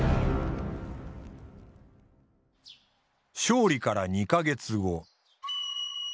勝利から２か月後。